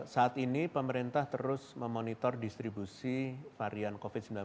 saat ini pemerintah terus memonitor distribusi varian covid sembilan belas